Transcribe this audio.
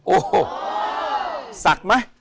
โอ้โหศักดิ์ไหม